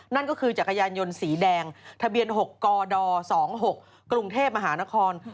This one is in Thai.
นั่นก็คือจักรยานยนต์สีแดงทะเบียน๖กด๒๖กรุงเทพมหานคร